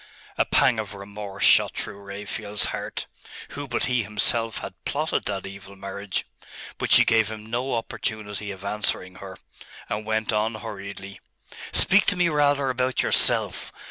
A pang of remorse shot through Raphael's heart. Who but he himself had plotted that evil marriage? But she gave him no opportunity of answering her, and went on hurriedly 'Speak to me rather about yourself.